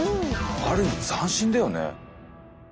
ある意味斬新だよね。